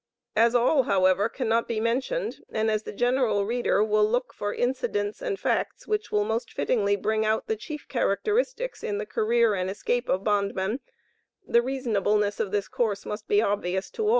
As all, however, cannot be mentioned, and as the general reader will look for incidents and facts which will most fittingly bring out the chief characteristics in the career and escape of bondmen, the reasonableness of this course must be obvious to all.